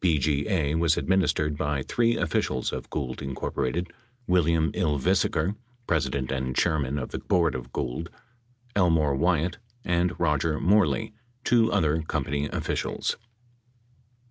BGA was administered by three officials of Gould, Inc. : William Ylvisaker, president and chairman of the board of Gould, Elmore Wyatt, and Roger Moreley, two other company officials.